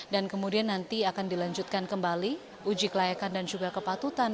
dan kemudian nanti akan dilanjutkan kembali uji kelayakan dan juga kepatutan